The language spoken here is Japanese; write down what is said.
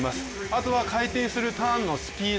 後は回転するターンのスピード